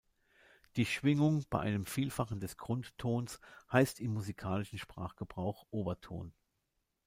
Die Schwingung bei einem Vielfachen des Grundtons heißt im musikalischen Sprachgebrauch Oberton.